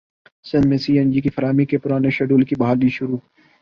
سندھ میں C N G کی فراہمی کے پرانے شیڈول کی بحالی شروع